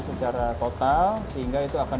secara total sehingga itu akan